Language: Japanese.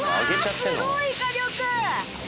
すごい火力。